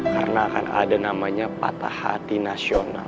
karena akan ada namanya pata hati nasional